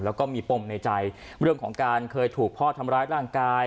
แล้วก็มีปมในใจเรื่องของการเคยถูกพ่อทำร้ายร่างกาย